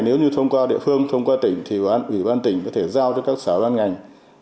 nếu như thông qua địa phương thông qua tỉnh thì ủy ban tỉnh có thể giao cho các xã văn ngành